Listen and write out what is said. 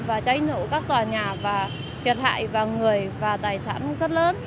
và cháy nổ các tòa nhà và thiệt hại và người và tài sản rất lớn